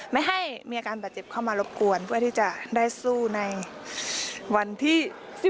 ไม่ให้มีอาการบาดเจ็บเข้ามารบกวนเพื่อที่จะได้สู้ในวันที่๑๔